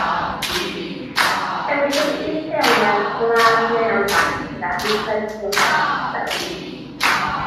Dewiswch un lleoliad, gwlad neu ranbarth, gyda dwysedd poblogaeth isel